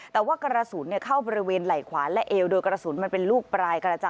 แต่ว่ากระสุนเข้าบริเวณไหล่ขวาและเอวโดยกระสุนมันเป็นลูกปลายกระจาย